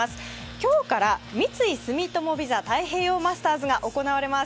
今日から三井住友ＶＩＳＡ太平洋マスターズが行われます。